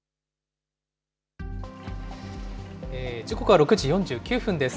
時刻は６時４９分です。